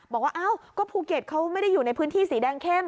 บอกว่าอ้าวก็ภูเก็ตเขาไม่ได้อยู่ในพื้นที่สีแดงเข้ม